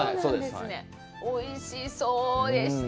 おいしそうでした。